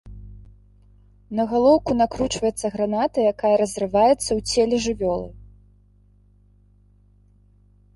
На галоўку накручваецца граната, якая разрываецца у целе жывёлы.